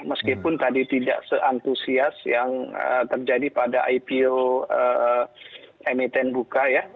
meskipun tadi tidak se antusias yang terjadi pada ipo emiten buka ya